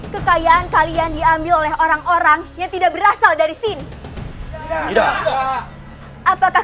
kekayaan kalian diambil oleh orang orang yang tidak berasal dari sini apakah